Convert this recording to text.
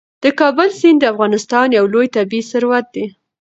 د کابل سیند د افغانستان یو لوی طبعي ثروت دی.